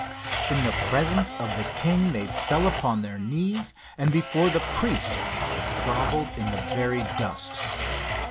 In the presence of the king they fell upon their knees, and before the priest they groveled in the very dust.